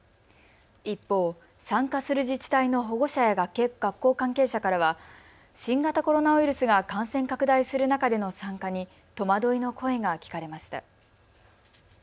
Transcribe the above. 一方、参加する自治体の保護者や学校関係者からは新型コロナウイルスが感染拡大する中での参加に戸惑いの声が聞かれました。